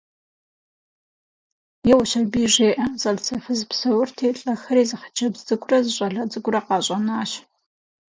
Еуэщ аби, жеӏэ: зэлӏзэфыз псэурти, лӏэхэри зы хъыджэбз цӏыкӏурэ зы щӏалэ цӏыкӏурэ къащӏэнащ.